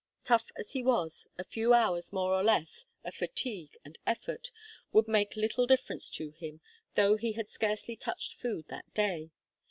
Tough as he was, a few hours, more or less, of fatigue and effort would make little difference to him, though he had scarcely touched food that day.